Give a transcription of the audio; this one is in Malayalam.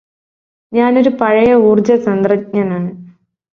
ഞാനൊരു പഴയ ഊര്ജ്ജതന്ത്രജ്ഞനാണ്